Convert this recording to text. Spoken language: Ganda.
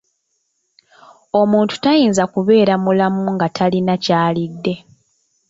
Omuntu tayinza kubeera mulamu nga talina ky'alidde.